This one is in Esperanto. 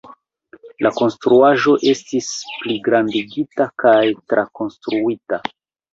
La konstruaĵo estis pligrandigita kaj trakonstruita.